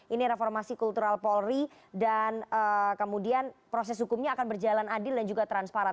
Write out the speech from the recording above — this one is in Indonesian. ini reformasi kultural polri dan kemudian proses hukumnya akan berjalan adil dan juga transparan